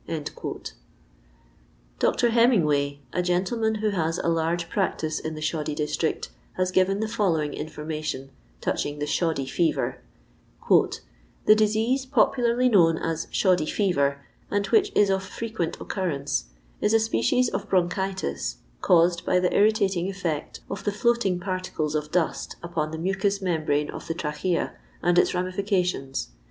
'* Dr. Hemingway, a gentleman who has a large practice in the shoddy district, has given the follow ing information touching the " shoddy fever :— ''The disease popularly known as 'shoddy fever,* and which is of frequent occurrence, is a species of bronchitis, caused by the irritating effect of the floating particles of dust upon the mucous membrane of the trachea and iu ramifications.